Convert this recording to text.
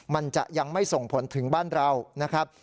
มันจะยังไม่ส่งผลถึงบ้านเรานะครับ